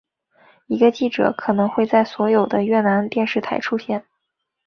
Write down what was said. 一个记者可能会在所有的越南电视台出现。